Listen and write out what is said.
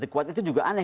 the quad itu juga aneh